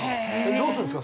どうするんですか？